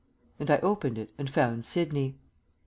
And I opened it and found Sidney.